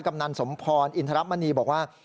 กำนันสมพรอินทรมณีบอกว่า